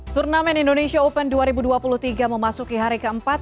turnamen indonesia open dua ribu dua puluh tiga memasuki hari keempat